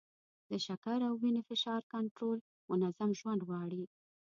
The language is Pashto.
د شکر او وینې فشار کنټرول منظم ژوند غواړي.